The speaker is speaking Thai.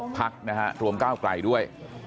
๖พักนะครับรวมก้าวไกลด้วย